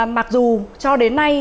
mặc dù cho đến nay